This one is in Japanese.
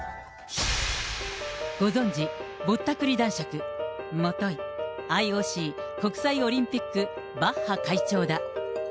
ご存じ、ぼったくり男爵、もとい、ＩＯＣ・国際オリンピック、バッハ会長だ。